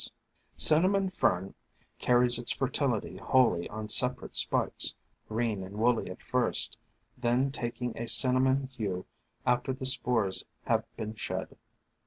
THE FANTASIES OF FERNS 1 93 Cinnamon Fern carries its fertility wholly on separate spikes, green and woolly at first, then taking a cinnamon hue after the spores have been shed.